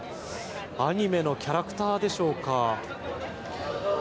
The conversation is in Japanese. アニメのキャラクターでしょうか。